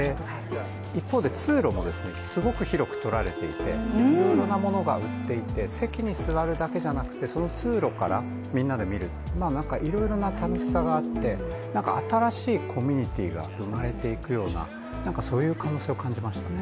一方で通路もすごく広くとられていていろいろなものが売っていて席に座るだけじゃなくて、その通路からみんなで見る、いろいろな楽しさがあって新しいコミュニティーが生まれていくような、なんかそんな可能性を感じましたね。